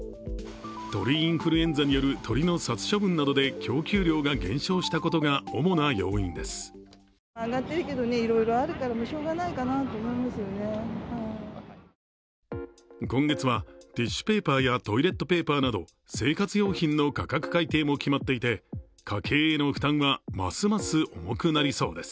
鳥インフルエンザによる鶏の殺処分などで供給量などが減少したことが主な要因です。